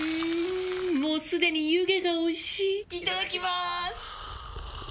もうすでに湯気がおいしいいただきまーす！